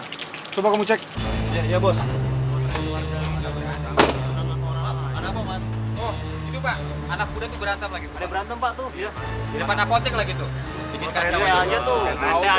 di depan apotek lagi tuh